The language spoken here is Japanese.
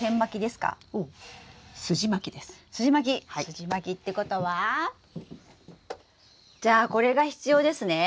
すじまきってことはじゃあこれが必要ですね。